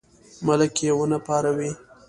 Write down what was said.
ملک یې ونه پاروي.